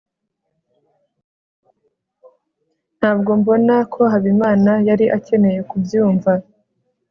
ntabwo mbona ko habimana yari akeneye kubyumva